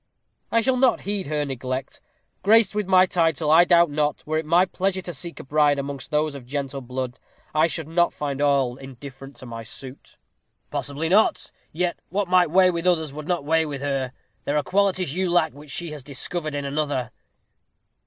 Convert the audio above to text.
"I shall not heed her neglect. Graced with my title, I doubt not, were it my pleasure to seek a bride amongst those of gentle blood, I should not find all indifferent to my suit." "Possibly not. Yet what might weigh with others, would not weigh with her. There are qualities you lack which she has discovered in another."